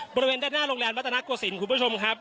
บริเวณด้านหน้าโรงแรมวัตนโกศิลป์คุณผู้ชมครับ